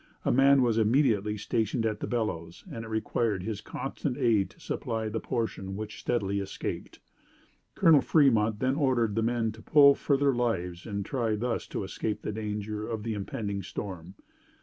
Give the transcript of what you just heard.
A man was immediately stationed at the bellows and it required his constant aid to supply the portion which steadily escaped. Colonel Fremont then ordered the men to pull for their lives and try thus to escape the danger of the impending storm.